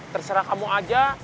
terserah kamu aja